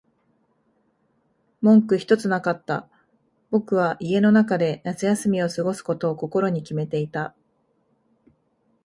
文句ひとつなかった。僕は家の中で夏休みを過ごすことを心に決めていた。